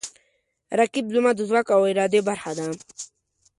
رقیب زما د ځواک او ارادې برخه ده